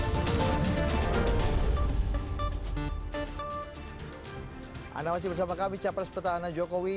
anak anak masih bersama kami capres petahana jokowi